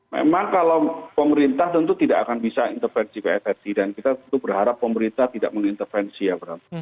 memang kalau pemerintah tentu tidak akan bisa intervensi pssi dan kita tentu berharap pemerintah tidak mengintervensi ya